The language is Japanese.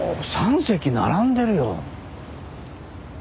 ３隻並んでるよ。